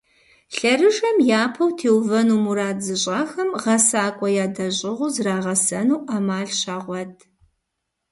Лъэрыжэм япэу теувэну мурад зыщIахэм, гъэсакIуэ ядэщIыгъуу зрагъэсэну Iэмал щагъуэт.